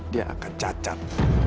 dia akan cacat